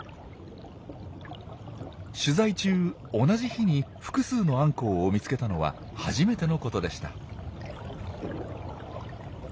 取材中同じ日に複数のアンコウを見つけたのは初めてのことでした。